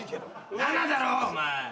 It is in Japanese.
７だろお前！